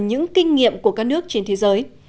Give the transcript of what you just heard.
những kinh nghiệm của các nước trên thế giới